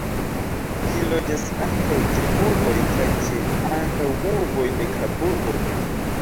Ĝi loĝas ankaŭ ĉe urboj kaj ĉe antaŭurboj de Kaburbo.